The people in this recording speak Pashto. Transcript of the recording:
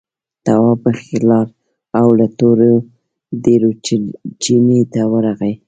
تواب مخکې لاړ او له تورو ډبرو چينې ته ورغی.